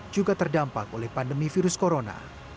juga terdampak oleh pandemi virus corona